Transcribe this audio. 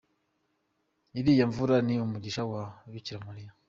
Iriya mvura ni umugisha wa Bikira Mariya.